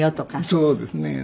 そうですね。